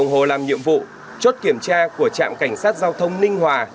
đồng hồ làm nhiệm vụ chốt kiểm tra của trạm cảnh sát giao thông ninh hòa